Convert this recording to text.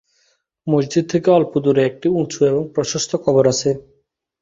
মসজিদ থেকে অল্প দূরে একটি উঁচু এবং প্রশস্ত কবর আছে।